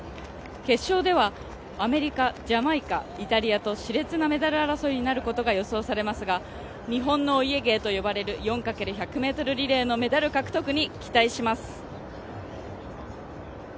決勝ではアメリカジャマイカ、イタリアとしれつなメダル争いになることが予想されますが日本のお家芸といわれる４×１００ｍリレーの決勝に期待します